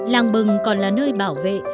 làng bừng còn là nơi bảo vệ